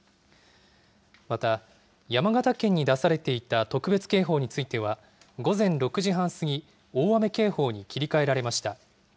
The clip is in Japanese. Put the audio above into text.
また山形県に出されていた特別警報については、午前６時半過ぎ、大雨警報に切り替えられました。